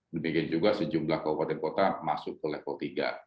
demikian juga sejumlah kabupaten kota masuk ke level tiga